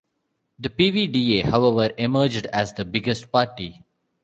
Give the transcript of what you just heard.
The PvdA, however, emerged as the biggest party.